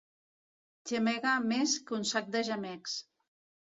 Gemega més que un sac de gemecs.